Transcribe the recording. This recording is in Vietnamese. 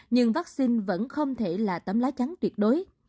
nhưng vaccine vẫn không thể là tấm lá chắn tuyệt đối